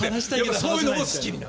そういうのも好きなの。